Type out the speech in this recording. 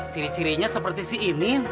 ciri cirinya seperti si ini